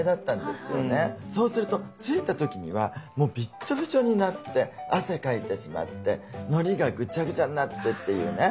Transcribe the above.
そうすると着いた時にはもうびっちょびちょになって汗かいてしまってのりがぐちゃぐちゃになってっていうね。